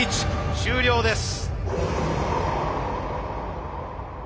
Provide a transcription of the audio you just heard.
終了です。